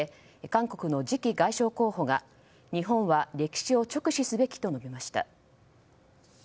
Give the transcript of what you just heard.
韓国の次期外相候補が日本は歴史を直視すべきと述べました。